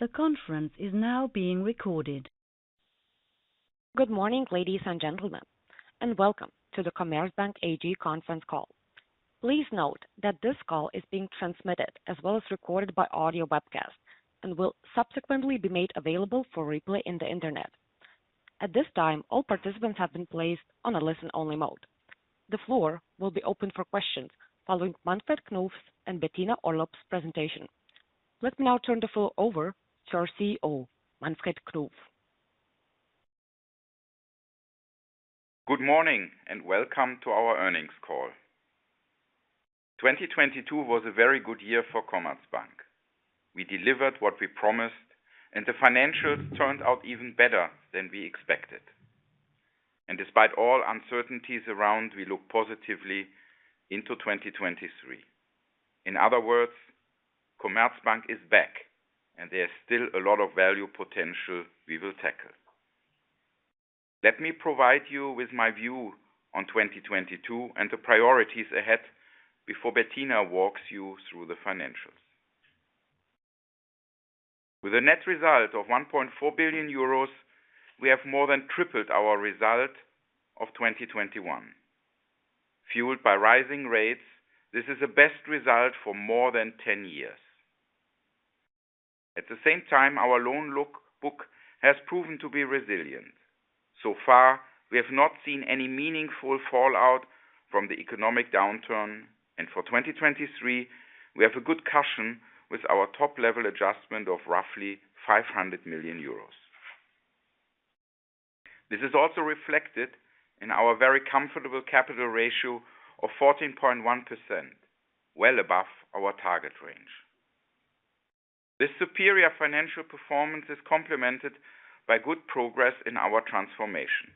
Good morning, ladies and gentlemen, welcome to the Commerzbank AG conference call. Please note that this call is being transmitted as well as recorded by audio webcast and will subsequently be made available for replay in the Internet. At this time, all participants have been placed on a listen-only mode. The floor will be open for questions following Manfred Knof's and Bettina Orlopp's presentation. Let me now turn the floor over to our CEO, Manfred Knof. Good morning and welcome to our earnings call. 2022 was a very good year for Commerzbank. We delivered what we promised, and the financials turned out even better than we expected. Despite all uncertainties around, we look positively into 2023. In other words, Commerzbank is back, and there's still a lot of value potential we will tackle. Let me provide you with my view on 2022 and the priorities ahead before Bettina walks you through the financials. With a net result of 1.4 billion euros, we have more than tripled our result of 2021. Fueled by rising rates, this is the best result for more than 10 years. At the same time, our loan book has proven to be resilient. Far, we have not seen any meaningful fallout from the economic downturn, and for 2023, we have a good cushion with our top-level adjustment of roughly 500 million euros. This is also reflected in our very comfortable capital ratio of 14.1%, well above our target range. This superior financial performance is complemented by good progress in our transformation.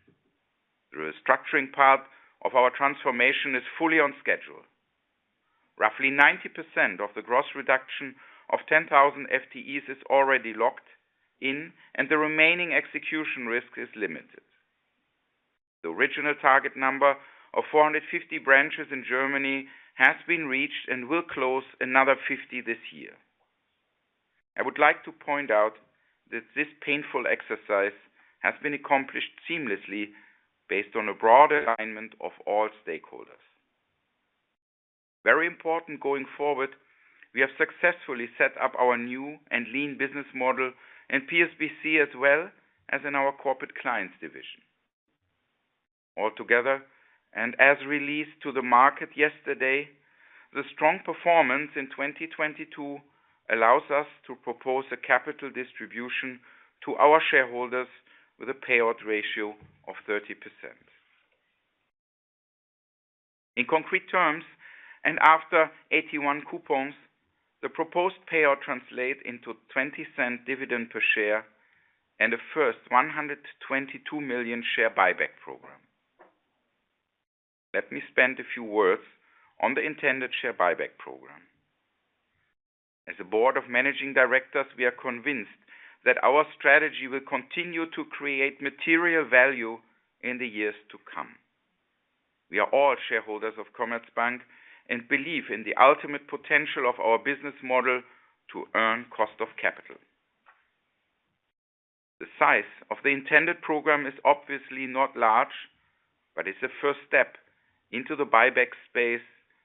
The restructuring part of our transformation is fully on schedule. Roughly 90% of the gross reduction of 10,000 FTEs is already locked in, and the remaining execution risk is limited. The original target number of 450 branches in Germany has been reached and will close another 50 this year. I would like to point out that this painful exercise has been accomplished seamlessly based on a broad alignment of all stakeholders. Very important going forward, we have successfully set up our new and lean business model in PSBC as well as in our Corporate Clients division. All together, as released to the market yesterday, the strong performance in 2022 allows us to propose a capital distribution to our shareholders with a payout ratio of 30%. In concrete terms, after AT1 coupons, the proposed payout translate into 0.20 dividend per share and the first 122 million share buyback program. Let me spend a few words on the intended share buyback program. As a board of managing directors, we are convinced that our strategy will continue to create material value in the years to come. We are all shareholders of Commerzbank and believe in the ultimate potential of our business model to earn cost of capital. The size of the intended program is obviously not large, but it's a first step into the buyback space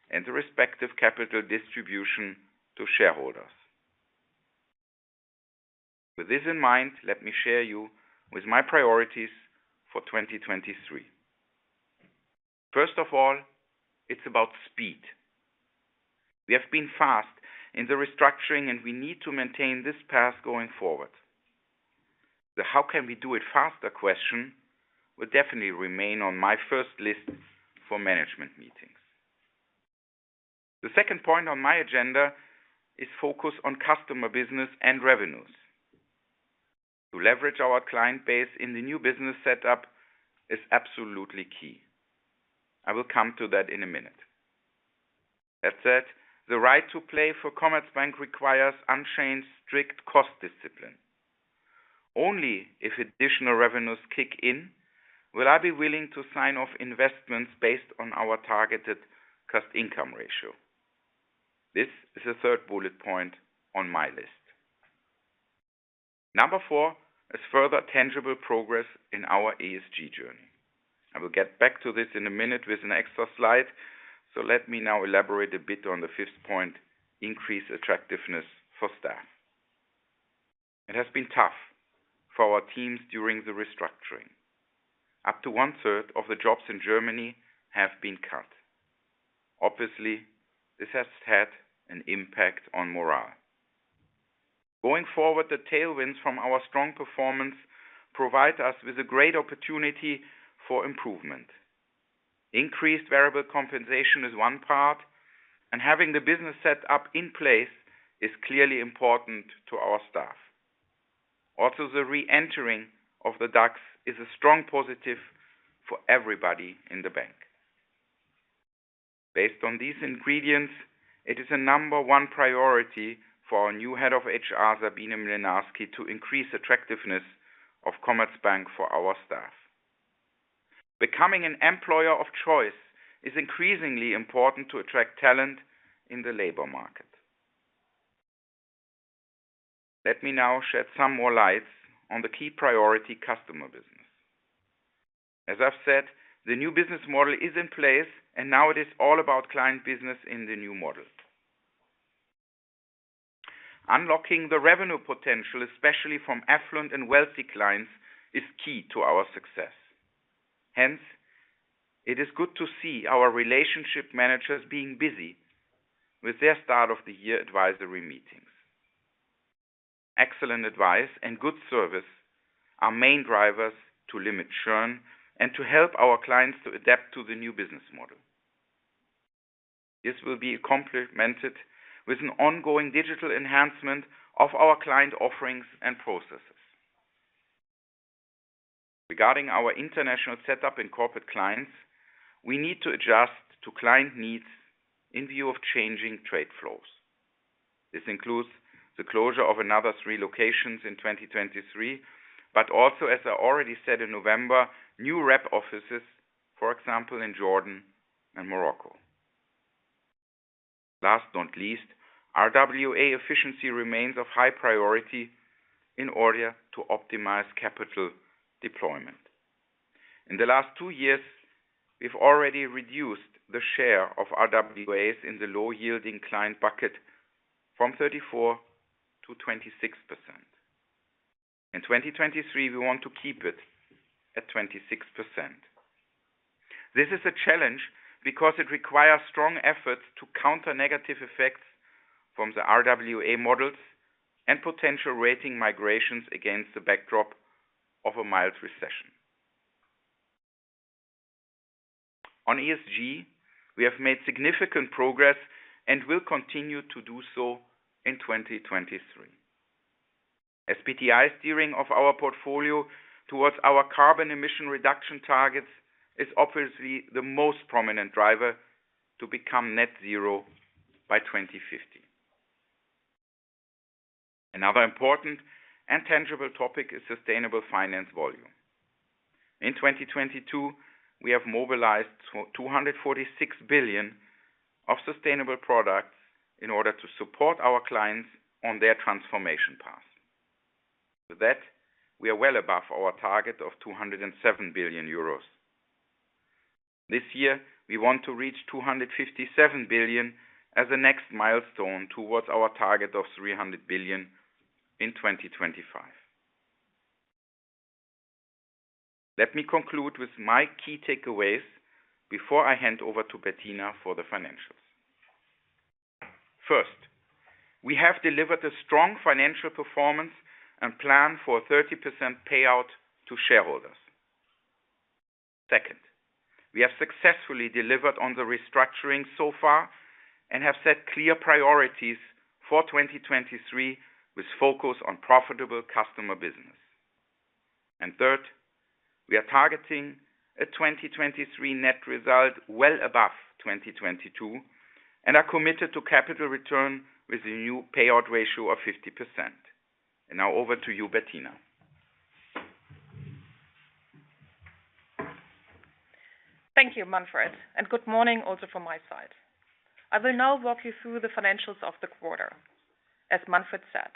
and the respective capital distribution to shareholders. With this in mind, let me share you with my priorities for 2023. First of all, it's about speed. We have been fast in the restructuring. We need to maintain this path going forward. The how can we do it faster question will definitely remain on my first list for management meetings. The second point on my agenda is focus on customer business and revenues. To leverage our client base in the new business setup is absolutely key. I will come to that in a minute. That said, the right to play for Commerzbank requires unchained strict cost discipline. Only if additional revenues kick in will I be willing to sign off investments based on our targeted cost income ratio. This is the third bullet point on my list. Number four is further tangible progress in our ESG journey. I will get back to this in a minute with an extra slide. Let me now elaborate a bit on the fifth point, increase attractiveness for staff. It has been tough for our teams during the restructuring. Up to 1/3 of the jobs in Germany have been cut. Obviously, this has had an impact on morale. Going forward, the tailwinds from our strong performance provide us with a great opportunity for improvement. Increased variable compensation is one part, and having the business set up in place is clearly important to our staff. Also, the re-entering of the DAX is a strong positive for everybody in the bank. Based on these ingredients, it is a number one priority for our new Head of HR, Sabine Mlnarsky, to increase attractiveness of Commerzbank for our staff. Becoming an employer of choice is increasingly important to attract talent in the labor market. Let me now shed some more light on the key priority customer business. As I've said, the new business model is in place, and now it is all about client business in the new model. Unlocking the revenue potential, especially from affluent and wealthy clients, is key to our success. It is good to see our relationship managers being busy with their start of the year advisory meetings. Excellent advice and good service are main drivers to limit churn and to help our clients to adapt to the new business model. This will be complemented with an ongoing digital enhancement of our client offerings and processes. Regarding our international setup in Corporate Clients, we need to adjust to client needs in view of changing trade flows. This includes the closure of another three locations in 2023. Also, as I already said in November, new rep offices, for example, in Jordan and Morocco. Last on least, RWA efficiency remains of high priority in order to optimize capital deployment. In the last two years, we've already reduced the share of RWAs in the low-yielding client bucket from 34-26%. In 2023, we want to keep it at 26%. This is a challenge because it requires strong efforts to counter negative effects from the RWA models and potential rating migrations against the backdrop of a mild recession. On ESG, we have made significant progress and will continue to do so in 2023. SBTi steering of our portfolio towards our carbon emission reduction targets is obviously the most prominent driver to become net zero by 2050. Another important and tangible topic is sustainable finance volume. In 2022, we have mobilized 246 billion of sustainable products in order to support our clients on their transformation path. With that, we are well above our target of 207 billion euros. This year we want to reach 257 billion as the next milestone towards our target of 300 billion in 2025. Let me conclude with my key takeaways before I hand over to Bettina for the financials. First, we have delivered a strong financial performance and plan for a 30% payout to shareholders. Second, we have successfully delivered on the restructuring so far and have set clear priorities for 2023 with focus on profitable customer business. Third, we are targeting a 2023 net result well above 2022 and are committed to capital return with a new payout ratio of 50%. Now over to you, Bettina. Thank you, Manfred, good morning also from my side. I will now walk you through the financials of the quarter. As Manfred said,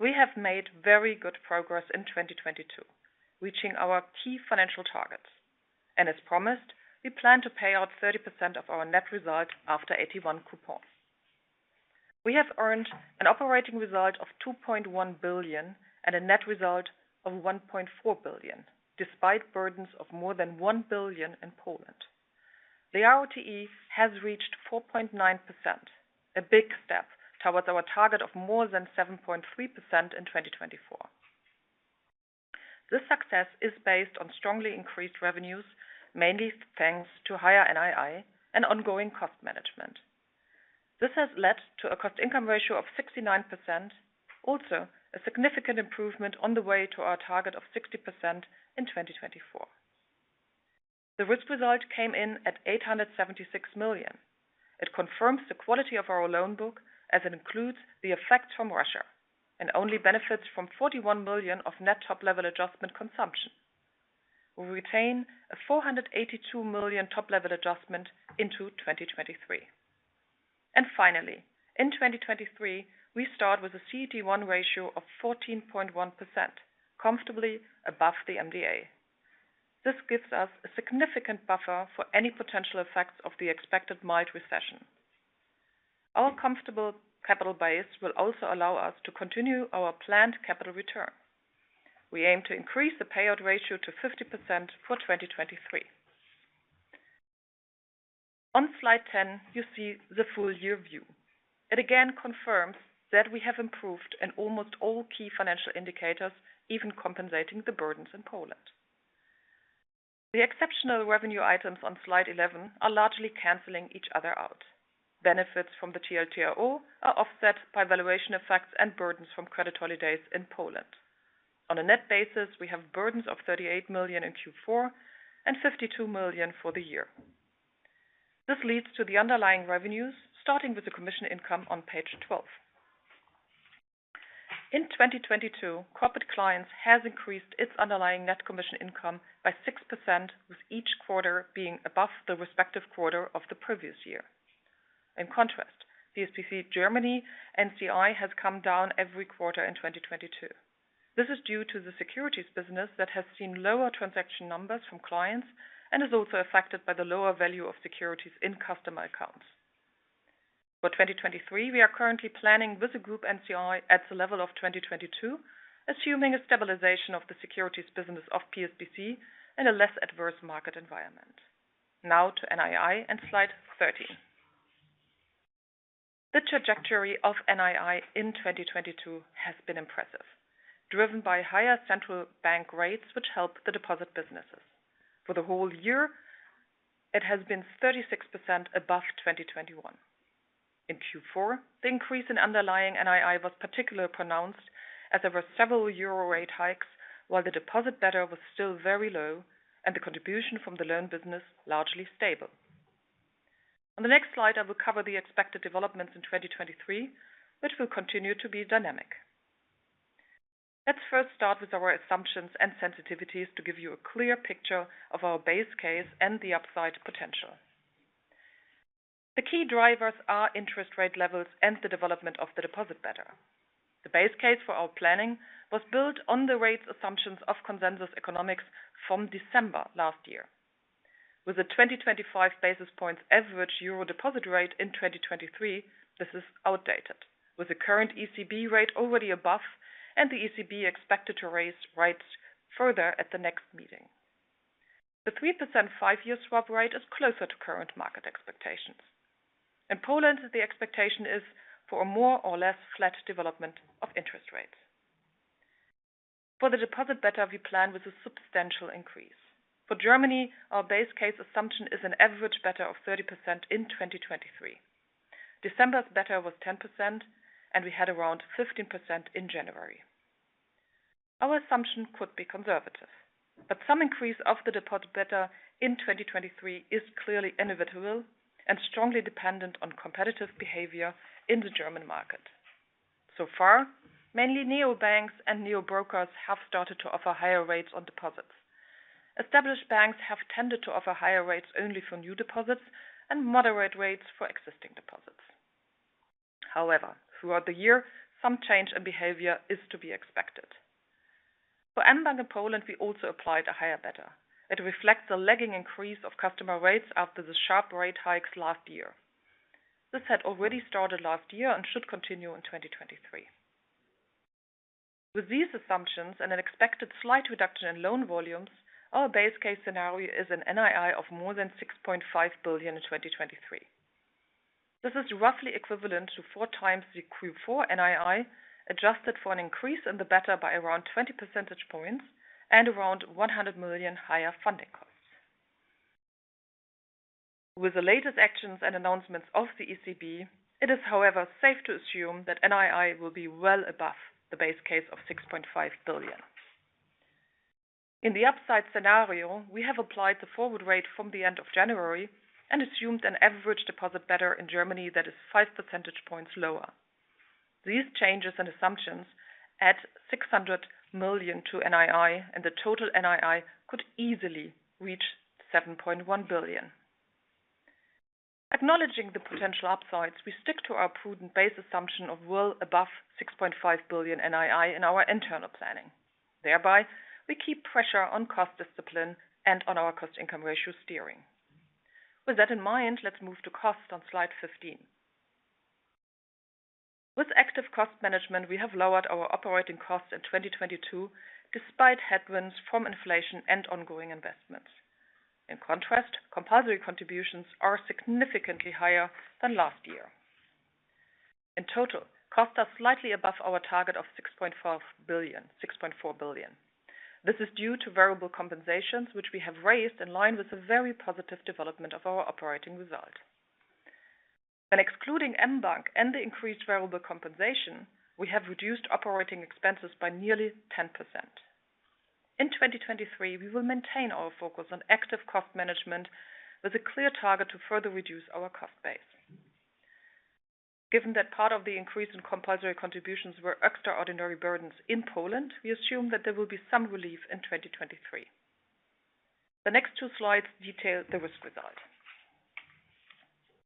we have made very good progress in 2022, reaching our key financial targets. As promised, we plan to pay out 30% of our net result after AT1 coupons. We have earned an operating result of 2.1 billion and a net result of 1.4 billion, despite burdens of more than 1 billion in Poland. The ROTE has reached 4.9%, a big step towards our target of more than 7.3% in 2024. This success is based on strongly increased revenues, mainly thanks to higher NII and ongoing cost management. This has led to a cost income ratio of 69%, also a significant improvement on the way to our target of 60% in 2024. The risk result came in at 876 million. It confirms the quality of our loan book as it includes the effects from Russia and only benefits from 41 million of net top-level adjustment consumption. We retain a 482 million top-level adjustment into 2023. Finally, in 2023, we start with a CET1 ratio of 14.1%, comfortably above the MDA. This gives us a significant buffer for any potential effects of the expected mild recession. Our comfortable capital base will also allow us to continue our planned capital return. We aim to increase the payout ratio to 50% for 2023. On slide 10, you see the full year view. It again confirms that we have improved in almost all key financial indicators, even compensating the burdens in Poland. The exceptional revenue items on slide 11 are largely canceling each other out. Benefits from the TLTRO are offset by valuation effects and burdens from credit holidays in Poland. On a net basis, we have burdens of 38 million in Q4 and 52 million for the year. This leads to the underlying revenues, starting with the commission income on page 12. In 2022, Corporate Clients has increased its underlying net commission income by 6%, with each quarter being above the respective quarter of the previous year. In contrast, PSPC Germany NCI has come down every quarter in 2022. This is due to the securities business that has seen lower transaction numbers from clients and is also affected by the lower value of securities in customer accounts. For 2023, we are currently planning with a group NCI at the level of 2022, assuming a stabilization of the securities business of PSBC in a less adverse market environment. To NII and slide 13. The trajectory of NII in 2022 has been impressive, driven by higher central bank rates which help the deposit businesses. For the whole year, it has been 36% above 2021. In Q4, the increase in underlying NII was particularly pronounced as there were several euro rate hikes, while the deposit beta was still very low and the contribution from the loan business largely stable. On the next slide, I will cover the expected developments in 2023, which will continue to be dynamic. Let's first start with our assumptions and sensitivities to give you a clear picture of our base case and the upside potential. The key drivers are interest rate levels and the development of the deposit beta. The base case for our planning was built on the rates assumptions of Consensus Economics from December last year. With the 20 to 25 basis points average EUR deposit rate in 2023, this is outdated. With the current ECB rate already above and the ECB expected to raise rates further at the next meeting. The 3% five-year swap rate is closer to current market expectations. In Poland, the expectation is for a more or less flat development of interest rates. For the deposit beta, we plan with a substantial increase. For Germany, our base case assumption is an average beta of 30% in 2023. December's beta was 10%, and we had around 15% in January. Our assumption could be conservative, but some increase of the deposit beta in 2023 is clearly inevitable and strongly dependent on competitive behavior in the German market. So far, mainly neobanks and neo-brokers have started to offer higher rates on deposits. Established banks have tended to offer higher rates only for new deposits and moderate rates for existing deposits. However, throughout the year, some change in behavior is to be expected. For mBank in Poland, we also applied a higher beta. It reflects the lagging increase of customer rates after the sharp rate hikes last year. This had already started last year and should continue in 2023. With these assumptions and an expected slight reduction in loan volumes, our base case scenario is an NII of more than 6.5 billion in 2023. This is roughly equivalent to 4x the Q4 NII, adjusted for an increase in the beta by around 20 percentage points and around 100 million higher funding costs. With the latest actions and announcements of the ECB, it is however safe to assume that NII will be well above the base case of 6.5 billion. In the upside scenario, we have applied the forward rate from the end of January and assumed an average deposit beta in Germany that is 5 percentage points lower. These changes and assumptions add 600 million to NII, and the total NII could easily reach 7.1 billion. Acknowledging the potential upsides, we stick to our prudent base assumption of well above 6.5 billion NII in our internal planning. We keep pressure on cost discipline and on our cost income ratio steering. With that in mind, let's move to cost on slide 15. With active cost management, we have lowered our operating costs in 2022 despite headwinds from inflation and ongoing investments. In contrast, compulsory contributions are significantly higher than last year. In total, costs are slightly above our target of 6.4 billion. This is due to variable compensations, which we have raised in line with the very positive development of our operating result. When excluding mBank and the increased variable compensation, we have reduced operating expenses by nearly 10%. In 2023, we will maintain our focus on active cost management with a clear target to further reduce our cost base. Given that part of the increase in compulsory contributions were extraordinary burdens in Poland, we assume that there will be some relief in 2023. The next two slides detail the risk result.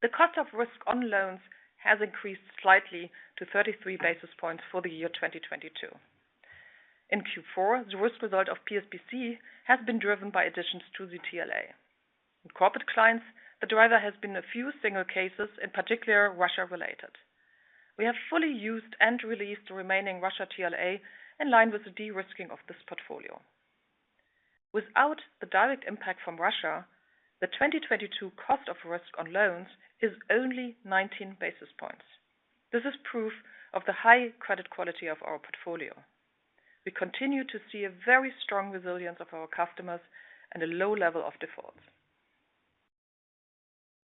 The cost of risk on loans has increased slightly to 33 basis points for the year 2022. In Q4, the risk result of PSBC has been driven by additions to the TLA. In Corporate Clients, the driver has been a few single cases, in particular Russia-related. We have fully used and released the remaining Russia TLA in line with the de-risking of this portfolio. Without the direct impact from Russia, the 2022 cost of risk on loans is only 19 basis points. This is proof of the high credit quality of our portfolio. We continue to see a very strong resilience of our customers and a low level of defaults.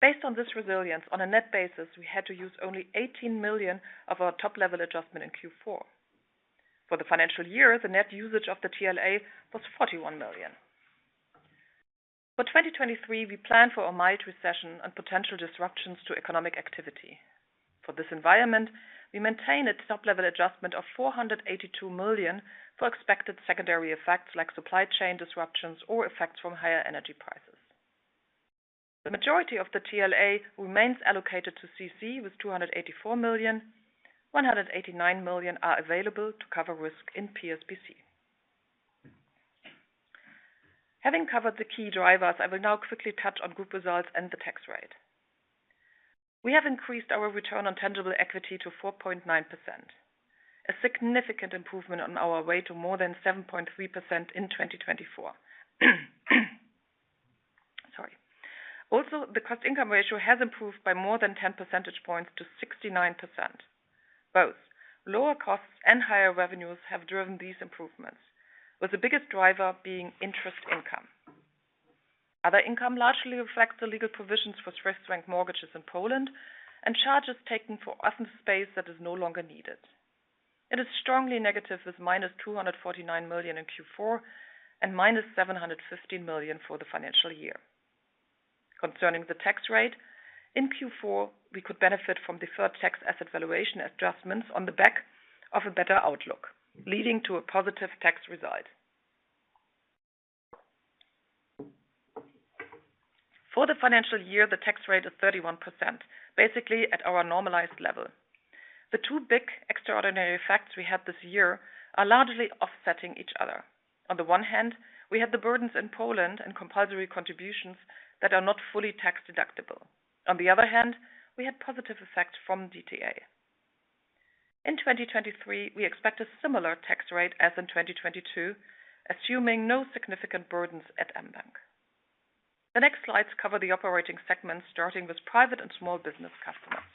Based on this resilience, on a net basis, we had to use only 18 million of our top-level adjustment in Q4. For the financial year, the net usage of the TLA was 41 million. For 2023, we plan for a mild recession and potential disruptions to economic activity. For this environment, we maintain a top-level adjustment of 482 million for expected secondary effects like supply chain disruptions or effects from higher energy prices. The majority of the TLA remains allocated to CC with 284 million. 189 million are available to cover risk in PSBC. Having covered the key drivers, I will now quickly touch on group results and the tax rate. We have increased our return on tangible equity to 4.9%, a significant improvement on our way to more than 7.3% in 2024. Sorry. The cost-income ratio has improved by more than 10 percentage points to 69%. Both lower costs and higher revenues have driven these improvements, with the biggest driver being interest income. Other income largely affects the legal provisions for Swiss franc mortgages in Poland and charges taken for office space that is no longer needed. It is strongly negative with minus 249 million in Q4 and minus 715 million for the financial year. Concerning the tax rate, in Q4, we could benefit from deferred tax asset valuation adjustments on the back of a better outlook, leading to a positive tax result. For the financial year, the tax rate is 31%, basically at our normalized level. The two big extraordinary effects we had this year are largely offsetting each other. On the one hand, we had the burdens in Poland and compulsory contributions that are not fully tax deductible. On the other hand, we had positive effect from DTA. In 2023, we expect a similar tax rate as in 2022, assuming no significant burdens at mBank. The next slides cover the operating segments, starting with Private and Small-Business Customers.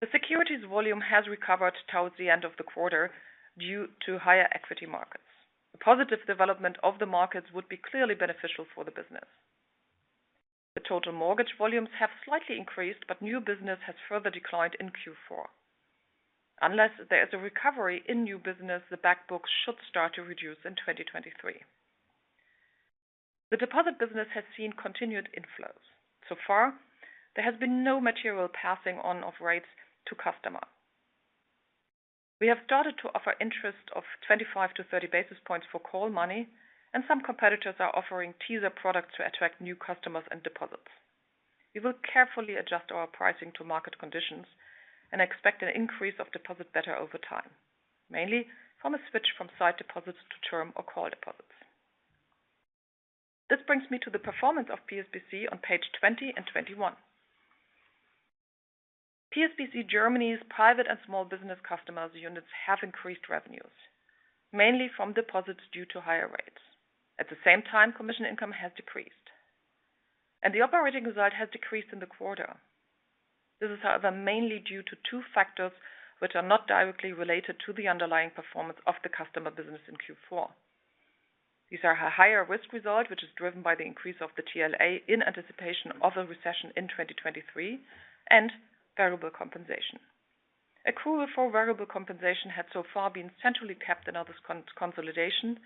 The securities volume has recovered towards the end of the quarter due to higher equity markets. The positive development of the markets would be clearly beneficial for the business. The total mortgage volumes have slightly increased, but new business has further declined in Q4. Unless there is a recovery in new business, the back books should start to reduce in 2023. The deposit business has seen continued inflows. Far, there has been no material passing on of rates to customer. We have started to offer interest of 25 to 30 basis points for call money, and some competitors are offering teaser products to attract new customers and deposits. We will carefully adjust our pricing to market conditions and expect an increase of deposit beta over time, mainly from a switch from sight deposits to term or call deposits. This brings me to the performance of PSBC on page 20 and 21. PSBC Germany's private and small business customers units have increased revenues, mainly from deposits due to higher rates. At the same time, commission income has decreased and the operating result has decreased in the quarter. This is however mainly due to two factors which are not directly related to the underlying performance of the customer business in Q4. These are higher risk result, which is driven by the increase of the TLA in anticipation of a recession in 2023 and variable compensation. Accrual for variable compensation had so far been centrally kept in Others in consolidation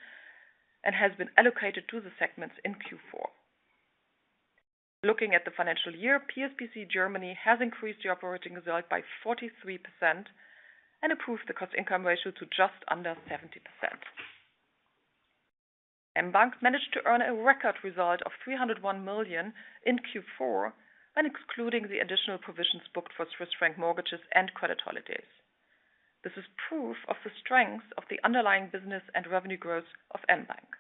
and has been allocated to the segments in Q4. Looking at the financial year, PSBC Germany has increased the operating result by 43% and improved the cost income ratio to just under 70%. mBank managed to earn a record result of 301 million in Q4 when excluding the additional provisions booked for Swiss franc mortgages and credit holidays. This is proof of the strength of the underlying business and revenue growth of mBank.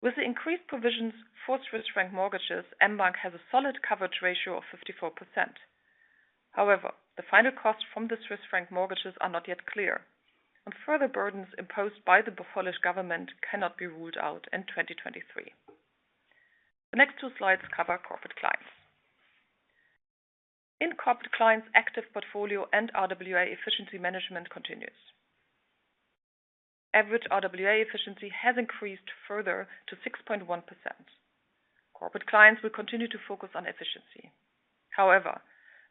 With the increased provisions for Swiss franc mortgages, mBank has a solid coverage ratio of 54%. However, the final costs from the Swiss franc mortgages are not yet clear, and further burdens imposed by the Polish government cannot be ruled out in 2023. The next two slides cover Corporate Clients. In Corporate Clients, active portfolio and RWA efficiency management continues. Average RWA efficiency has increased further to 6.1%. Corporate Clients will continue to focus on efficiency. However,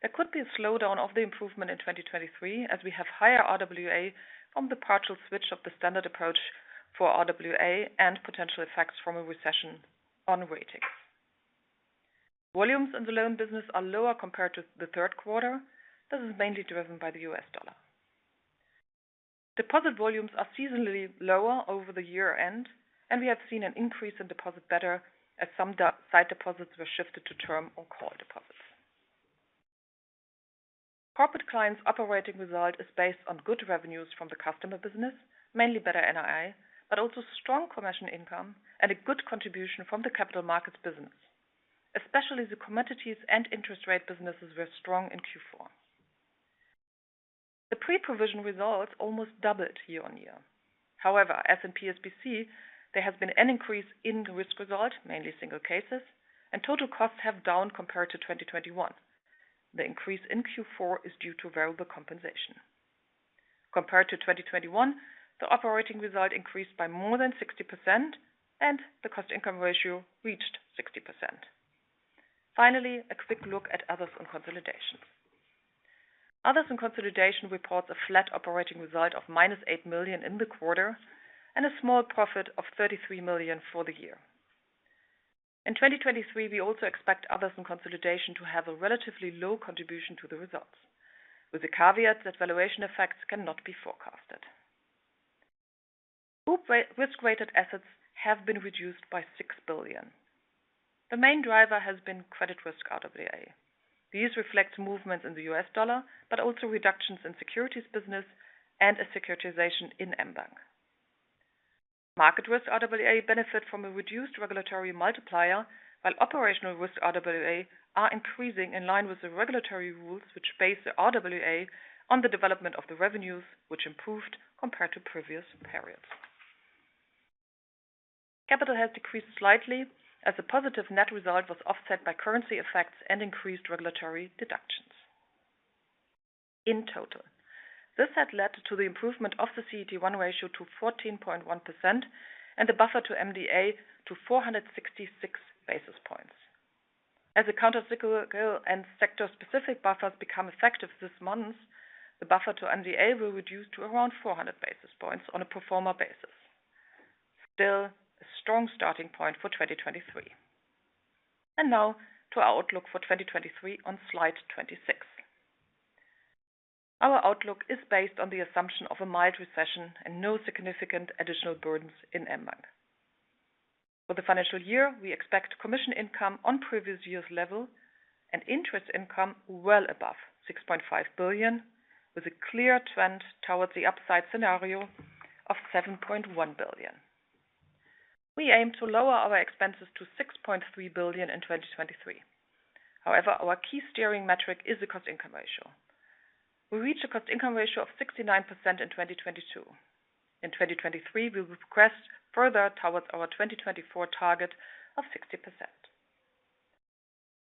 there could be a slowdown of the improvement in 2023 as we have higher RWA from the partial switch of the standard approach for RWA and potential effects from a recession on ratings. Volumes in the loan business are lower compared to the Q3. This is mainly driven by the US dollar. Deposit volumes are seasonally lower over the year-end, and we have seen an increase in deposit beta as some sight deposits were shifted to term or call deposits. Corporate clients' operating result is based on good revenues from the customer business, mainly better NII, but also strong commercial income and a good contribution from the capital markets business. Especially the commodities and interest rate businesses were strong in Q4. The pre-provision results almost doubled year-on-year. As in PSBC, there has been an increase in the risk result, mainly single cases, and total costs have down compared to 2021. The increase in Q4 is due to variable compensation. Compared to 2021, the operating result increased by more than 60% and the cost income ratio reached 60%. A quick look at Others on consolidation. Others in consolidation report a flat operating result of minus 8 million in the quarter and a small profit of 33 million for the year. In 2023, we also expect Others in consolidation to have a relatively low contribution to the results, with the caveat that valuation effects cannot be forecasted. Group risk-weighted assets have been reduced by 6 billion. The main driver has been credit risk RWA. These reflect movements in the US dollar, but also reductions in securities business and a securitization in mBank. Market risk RWA benefit from a reduced regulatory multiplier, while operational risk RWA are increasing in line with the regulatory rules which base the RWA on the development of the revenues, which improved compared to previous periods. Capital has decreased slightly as a positive net result was offset by currency effects and increased regulatory deductions. In total, this had led to the improvement of the CET1 ratio to 14.1% and the buffer to MDA to 466 basis points. As the countercyclical and sector-specific buffers become effective this month, the buffer to MDA will reduce to around 400 basis points on a pro forma basis. Still a strong starting point for 2023. Now to our outlook for 2023 on slide 26. Our outlook is based on the assumption of a mild recession and no significant additional burdens in mBank. For the financial year, we expect commission income on previous year's level and interest income well above 6.5 billion, with a clear trend towards the upside scenario of 7.1 billion. We aim to lower our expenses to 6.3 billion in 2023. Our key steering metric is the cost-income ratio. We reach a cost-income ratio of 69% in 2022. In 2023, we will progress further towards our 2024 target of 60%.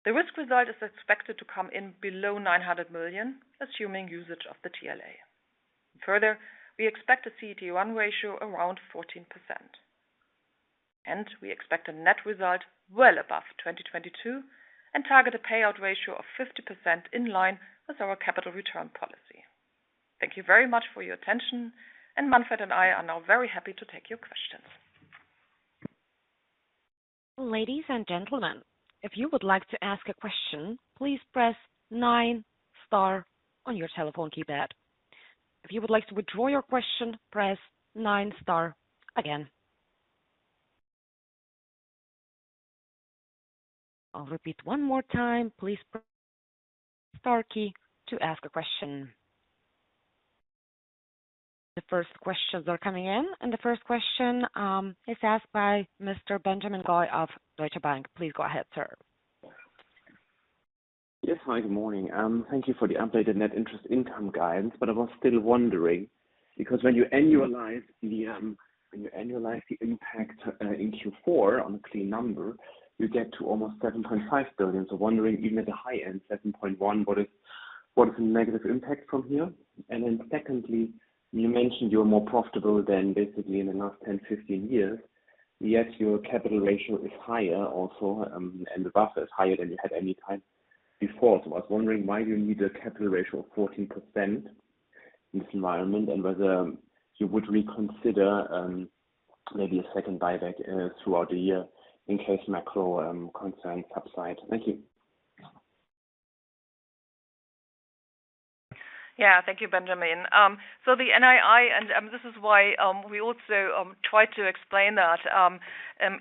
The risk result is expected to come in below 900 million, assuming usage of the TLA. Further, we expect a CET1 ratio around 14%, and we expect a net result well above 2022 and target a payout ratio of 50% in line with our capital return policy. Thank you very much for your attention, and Manfred and I are now very happy to take your questions. Ladies and gentlemen, if you would like to ask a question, please press nine star on your telephone keypad. If you would like to withdraw your question, press nine star again. I'll repeat one more time. Please press star key to ask a question. The first questions are coming in. The first question is asked by Mr. Benjamin Goy of Deutsche Bank. Please go ahead, sir. Yes. Hi, good morning. Thank you for the updated net interest income guidance, but I was still wondering, because when you annualize the impact in Q4 on a clean number, you get to almost 7.5 billion. So wondering, even at the high-end 7.1 billion, what is the negative impact from here? Then secondly, you mentioned you're more profitable than basically in the last 10, 15 years. Yes, your capital ratio is higher also, and the buffer is higher than you had any time before. So I was wondering why you need a capital ratio of 14% in this environment, and whether you would reconsider maybe a second buyback throughout the year in case macro concerns subside. Thank you. Yeah. Thank you, Benjamin. The NII, and this is why we also try to explain that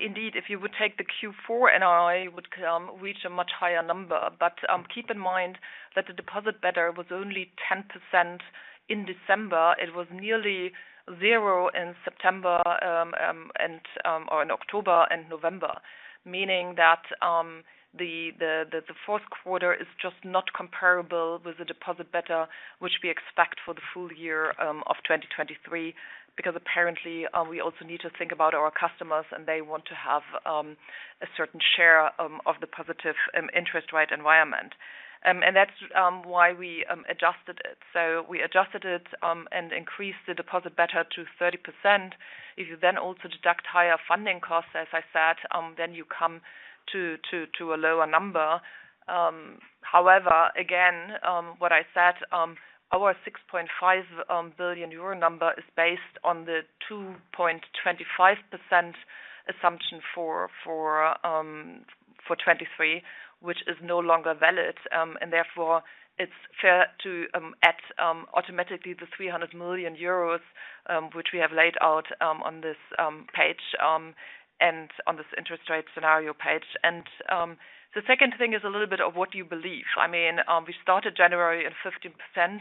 indeed, if you would take the Q4 NII, it would reach a much higher number. Keep in mind that the deposit beta was only 10% in December. It was nearly zero in September and or in October and November, meaning that the Q4 is just not comparable with the deposit beta, which we expect for the full year of 2023, because apparently we also need to think about our customers, and they want to have a certain share of the positive interest rate environment. That's why we adjusted it. We adjusted it and increased the deposit beta to 30%. If you then also deduct higher funding costs, as I said, then you come to a lower number. Again, what I said, our 6.5 billion euro number is based on the 2.25% assumption for 2023, which is no longer valid. Therefore it's fair to add automatically the 300 million euros, which we have laid out on this page and on this interest rate scenario page. The second thing is a little bit of what you believe. I mean, we started January at 15%.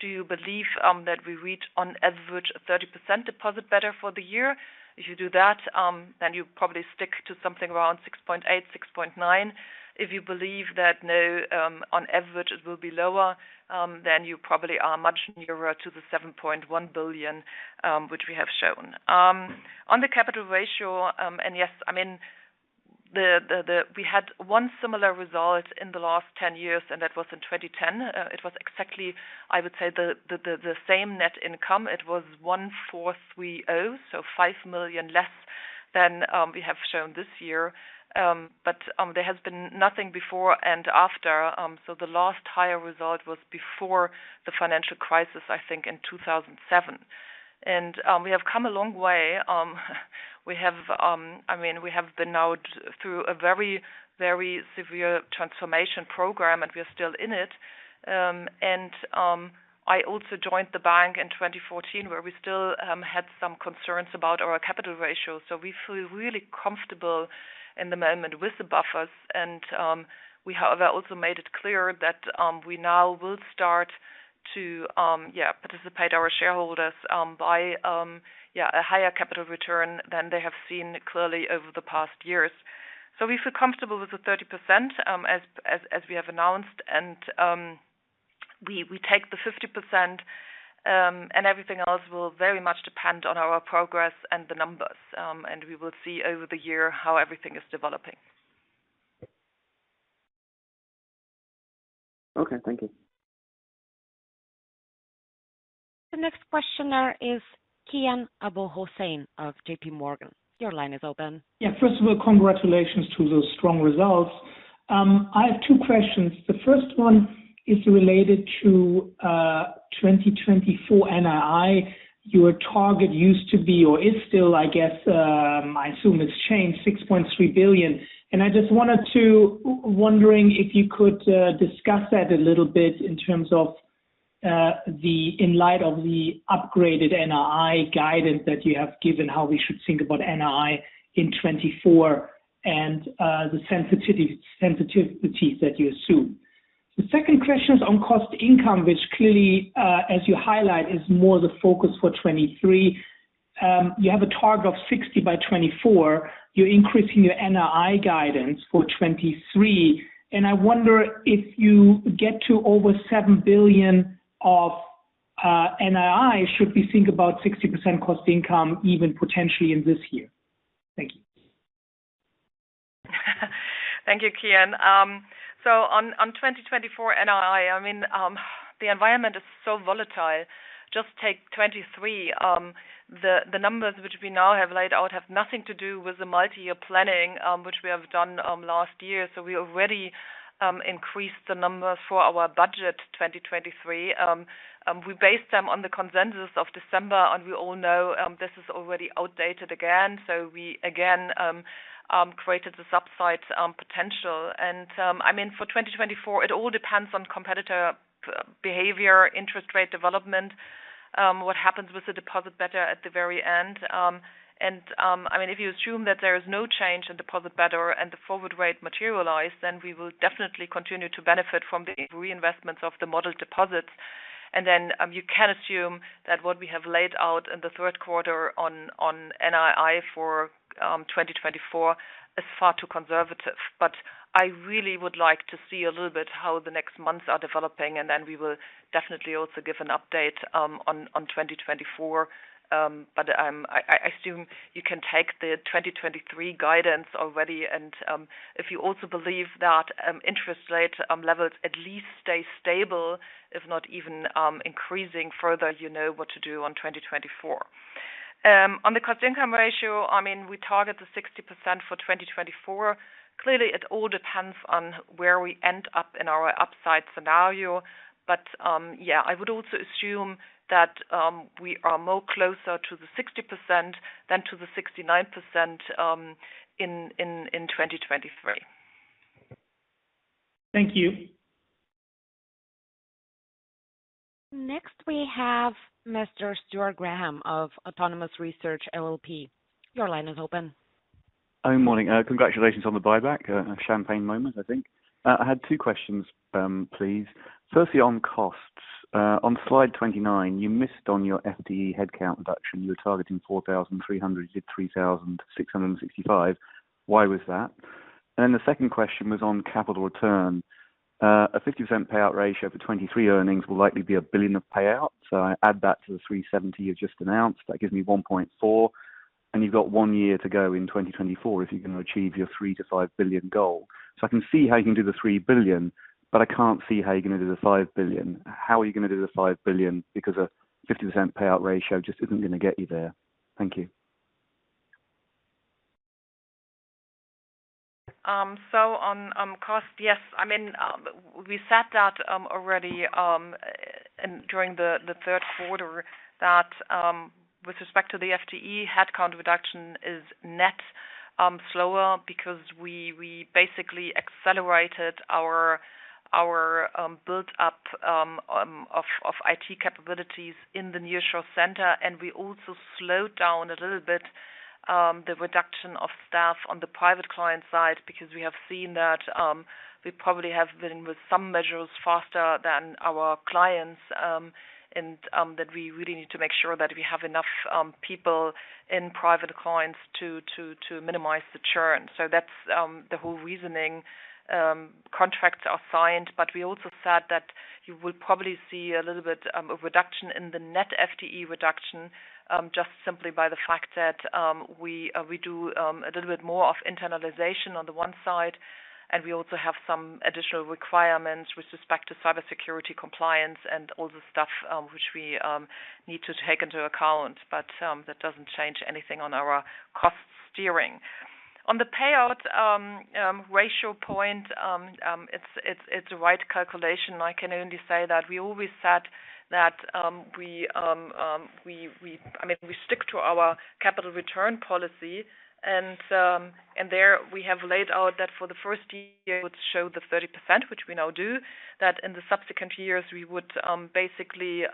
Do you believe that we reach on average a 30% deposit beta for the year? If you do that, then you probably stick to something around 6.8-6.9. If you believe that, no, on average it will be lower, you probably are much nearer to the 7.1 billion, which we have shown. On the capital ratio, and yes, I mean, We had one similar result in the last 10 years, and that was in 2010. It was exactly, I would say, the same net income. It was 1,430, so 5 million less. We have shown this year, there has been nothing before and after. The last higher result was before the financial crisis, I think, in 2007. We have come a long way. We have, I mean, we have been now through a very, very severe transformation program, and we're still in it. I also joined the bank in 2014, where we still had some concerns about our capital ratio. We feel really comfortable in the moment with the buffers. We have also made it clear that we now will start to, yeah, participate our shareholders by, yeah, a higher capital return than they have seen clearly over the past years. We feel comfortable with the 30%, as we have announced. We take the 50%, and everything else will very much depend on our progress and the numbers. We will see over the year how everything is developing. Okay. Thank you. The next questioner is Kian Abouhossein of JP Morgan. Your line is open. Yeah. First of all, congratulations to those strong results. I have two questions. The first one is related to 2024 NII. Your target used to be or is still, I guess, I assume it's changed 6.3 billion. Wondering if you could discuss that a little bit in terms of in light of the upgraded NII guidance that you have given, how we should think about NII in 2024 and the sensitivity that you assume. The second question is on cost income, which clearly, as you highlight, is more the focus for 2023. You have a target of 60% by 2024. You're increasing your NII guidance for 2023. I wonder if you get to over 7 billion of NII, should we think about 60% cost income even potentially in this year? Thank you. Thank you, Kian. On 2024 NII, I mean, the environment is so volatile. Just take 23, the numbers which we now have laid out have nothing to do with the multi-year planning which we have done last year. We already increased the numbers for our budget, 2023. We based them on the consensus of December, we all know this is already outdated again. We again created the upside potential. I mean, for 2024, it all depends on competitor behavior, interest rate development, what happens with the deposit beta at the very end. If you assume that there is no change in deposit beta and the forward rate materialize, then we will definitely continue to benefit from the reinvestments of the model deposits. You can assume that what we have laid out in the Q3 on NII for 2024 is far too conservative. I really would like to see a little bit how the next months are developing, and then we will definitely also give an update on 2024. I assume you can take the 2023 guidance already. If you also believe that interest rate levels at least stay stable, if not even increasing further, you know what to do on 2024. On the cost income ratio, I mean, we target the 60% for 2024. Clearly, it all depends on where we end up in our upside scenario. Yeah, I would also assume that we are more closer to the 60% than to the 69% in 2023. Thank you. Next, we have Mr. Stuart Graham of Autonomous Research LLP. Your line is open. Morning. Congratulations on the buyback, champagne moment, I think. I had two questions, please. Firstly, on costs. On slide 29, you missed on your FTE headcount reduction. You were targeting 4,300, you did 3,665. Why was that? The second question was on capital return. A 50% payout ratio for 2023 earnings will likely be 1 billion of payout. I add that to the 370 million you've just announced. That gives me 1.4 billion, and you've got one year to go in 2024 if you're gonna achieve your 3 billion-5 billion goal. I can see how you can do the 3 billion, but I can't see how you're gonna do the 5 billion. How are you gonna do the 5 billion? Because a 50% payout ratio just isn't gonna get you there. Thank you. On cost, yes. I mean, we said that already, and during the Q3 that with respect to the FTE, headcount reduction is net slower because we basically accelerated our build-up of IT capabilities in the Nearshore center. We also slowed down a little bit the reduction of staff on the private client side because we have seen that we probably have been with some measures faster than our clients, and that we really need to make sure that we have enough people in private clients to minimize the churn. That's the whole reasoning. Contracts are signed, but we also said that you will probably see a little bit of reduction in the net FTE reduction, just simply by the fact that we do a little bit more of internalization on the one side. We also have some additional requirements with respect to cybersecurity compliance and all the stuff, which we need to take into account. That doesn't change anything on our cost steering. On the payout ratio point, it's the right calculation. I can only say that we always said that, I mean, we stick to our capital return policy. There we have laid out that for the first year would show the 30%, which we now do, that in the subsequent years we would, basically,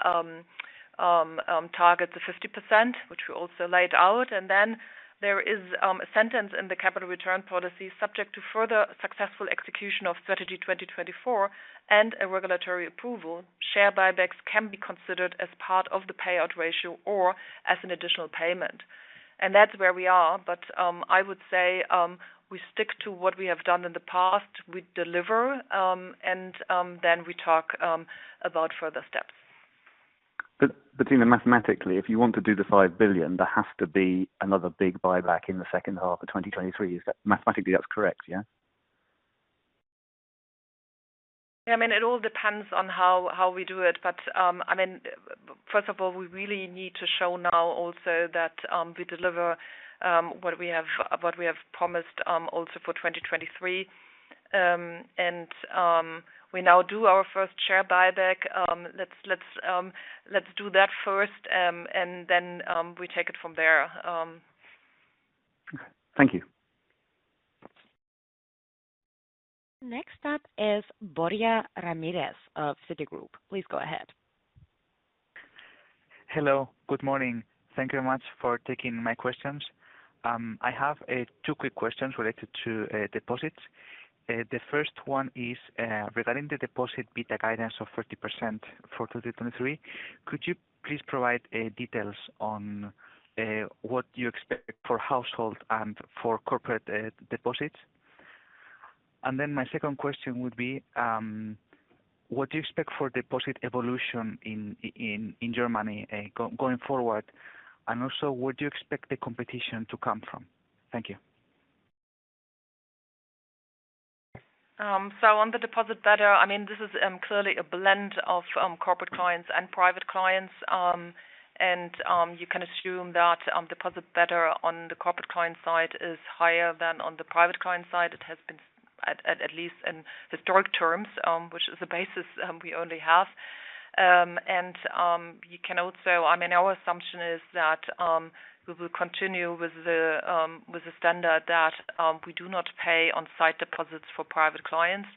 target the 50%, which we also laid out. There is a sentence in the capital return policy subject to further successful execution of Strategy 2024 and a regulatory approval. Share buybacks can be considered as part of the payout ratio or as an additional payment. That's where we are. I would say, we stick to what we have done in the past. We deliver, and then we talk about further steps. Bettina, mathematically, if you want to do the 5 billion, there has to be another big buyback in the H2 of 2023. Is that mathematically that's correct, yeah? Yeah, I mean, it all depends on how we do it. I mean, first of all, we really need to show now also that we deliver what we have promised also for 2023. We now do our first share buyback. Let's do that first, and then we take it from there. Okay. Thank you. Next up is Borja Ramirez of Citigroup. Please go ahead. Hello. Good morning. Thank you very much for taking my questions. I have two quick questions related to deposits. The first one is regarding the deposit beta guidance of 40% for 2023. Could you please provide details on what you expect for household and for corporate deposits? My second question would be, what do you expect for deposit evolution in Germany going forward? Where do you expect the competition to come from? Thank you. On the deposit beta, this is clearly a blend of Corporate Clients and private clients. You can assume that deposit beta on the Corporate Client side is higher than on the private client side. It has been at least in historic terms, which is the basis we only have. Our assumption is that we will continue with the standard that we do not pay on sight deposits for private clients.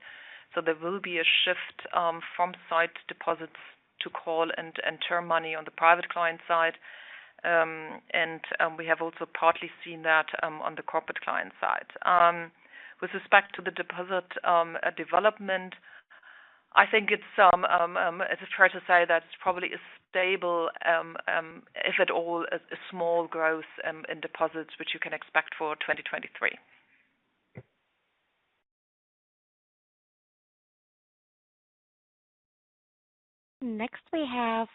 There will be a shift from sight deposits to call and term money on the private client side. We have also partly seen that on the Corporate Client side. With respect to the deposit development, I think it's fair to say that it's probably a stable, if at all, a small growth in deposits which you can expect for 2023. Next we have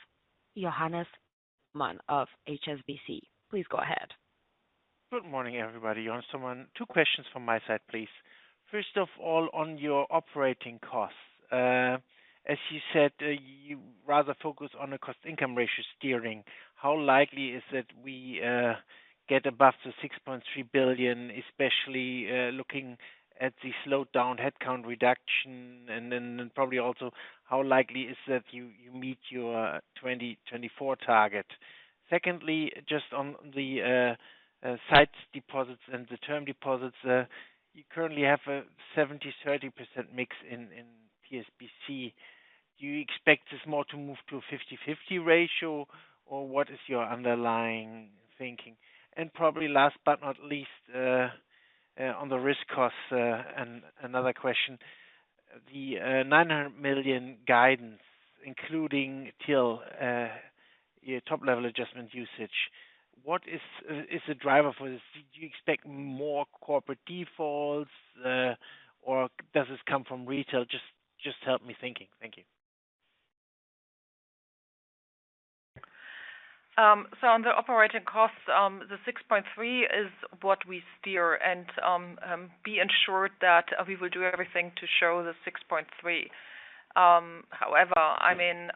Johannes Thormann of HSBC. Please go ahead. Good morning, everybody. Johannes Thormann. Two questions from my side, please. First of all, on your operating costs, as you said, you rather focus on a cost income ratio steering. How likely is it we get above the 6.3 billion, especially looking at the slowdown headcount reduction? Probably also how likely is it you meet your 2024 target? Secondly, just on the sight deposits and the term deposits, you currently have a 70/30% mix in TSBC. Do you expect this more to move to a 50/50 ratio? What is your underlying thinking? Probably last but not least, on the risk costs, another question. The 900 million guidance, including till your top level adjustment usage, what is the driver for this? Do you expect more corporate defaults, or does this come from retail? Just help me thinking. Thank you. On the operating costs, the 6.3 is what we steer and be ensured that we will do everything to show the 6.3. However, I mean,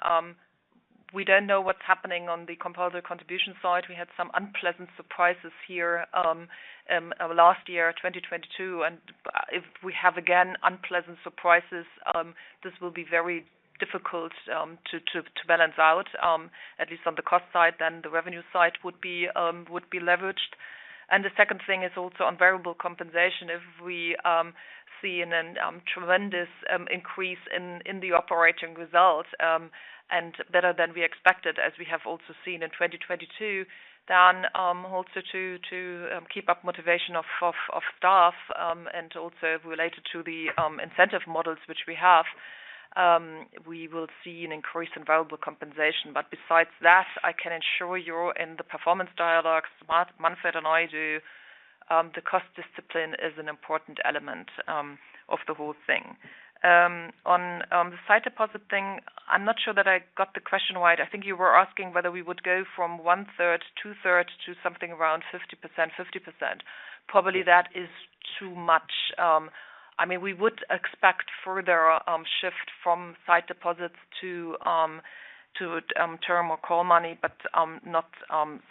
we don't know what's happening on the compulsory contributions side. We had some unpleasant surprises here last year, 2022. If we have again unpleasant surprises, this will be very difficult to balance out at least on the cost side, then the revenue side would be leveraged. The second thing is also on variable compensation. If we see an tremendous increase in the operating results and better than we expected, as we have also seen in 2022, then also to keep up motivation of staff and also related to the incentive models which we have, we will see an increase in variable compensation. Besides that, I can assure you in the performance dialogues Manfred and I do, the cost discipline is an important element of the whole thing. On the sight deposit thing, I'm not sure that I got the question right. I think you were asking whether we would go from 1/3, 2/3 to something around 50%, 50%. Probably that is too much. I mean, we would expect further shift from sight deposits to term or call money, but not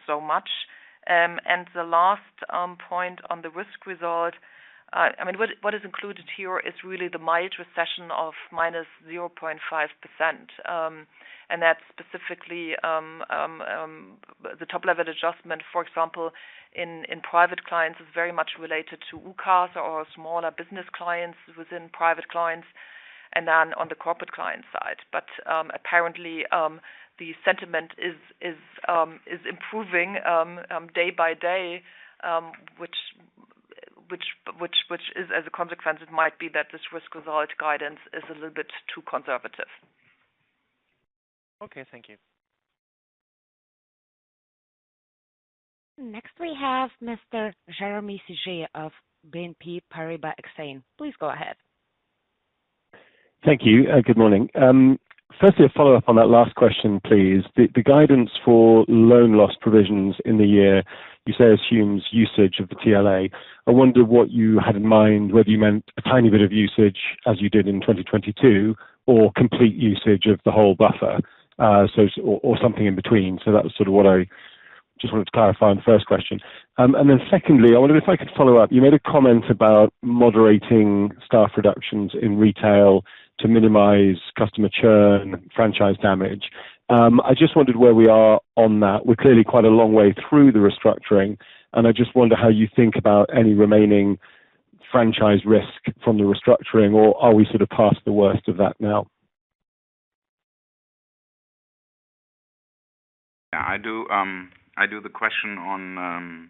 so much. The last point on the risk result, I mean, what is included here is really the mild recession of -0.5%. That's specifically the top-level adjustment, for example, in private clients is very much related to UCAS or smaller business clients within private clients and then on the corporate client side. Apparently, the sentiment is improving day by day, which is as a consequence, it might be that this risk result guidance is a little bit too conservative. Okay. Thank you. Next, we have Mr. Jeremy Sigee of BNP Paribas Exane. Please go ahead. Thank you. Good morning. Firstly, a follow-up on that last question, please. The guidance for loan loss provisions in the year, you say, assumes usage of the TLA. I wonder what you had in mind, whether you meant a tiny bit of usage as you did in 2022, or complete usage of the whole buffer, or something in between. That was sort of what I just wanted to clarify on the first question. Then secondly, I wonder if I could follow up. You made a comment about moderating staff reductions in retail to minimize customer churn, franchise damage. I just wondered where we are on that. We're clearly quite a long way through the restructuring, and I just wonder how you think about any remaining franchise risk from the restructuring, or are we sort of past the worst of that now? I do the question on